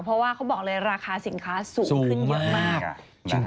เพราะว่าเขาบอกเลยราคาสินค้าสูงขึ้นเยอะมาก